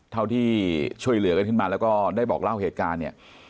ที่ช่วยเหลือกันขึ้นมาแล้วก็ได้บอกเล่าเหตุการณ์เนี่ย